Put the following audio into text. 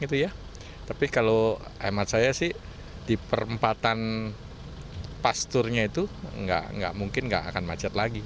tapi kalau hemat saya sih di perempatan pasturnya itu nggak mungkin nggak akan macet lagi